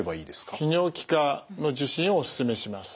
泌尿器科の受診をお勧めします。